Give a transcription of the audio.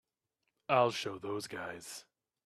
I'll show those guys.